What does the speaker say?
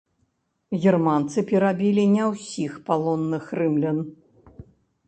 Германцы перабілі не ўсіх палонных рымлян.